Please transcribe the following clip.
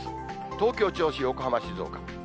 東京、銚子、横浜、静岡。